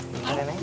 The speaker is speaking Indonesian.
bentar ya neng